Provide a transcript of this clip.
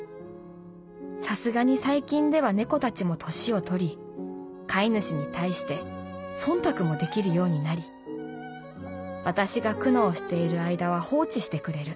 さすがに最近では猫たちも年を取り飼い主に対して忖度もできるようになり私が苦悩しているあいだは放置してくれる。